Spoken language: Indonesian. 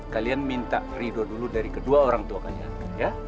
kalian minta ridho dulu dari kedua orang tua kalian